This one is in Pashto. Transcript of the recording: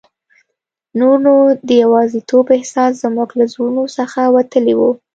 نور نو د یوازیتوب احساس زموږ له زړونو څخه وتلی وو.